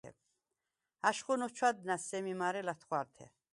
აშხუნ ოჩვა̈დდ ნა̈ სემი მარე ლა̈თხვართე.